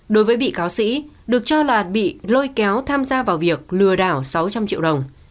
đối với bị cáo sĩ được cho là bị lôi kéo tham gia vào việc lừa đảo sáu trăm linh triệu đồng